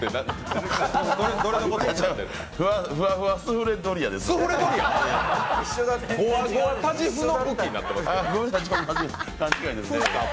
ふわふわスフレドリアでしたわ。